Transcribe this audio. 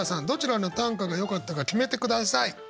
どちらの短歌がよかったか決めて下さい。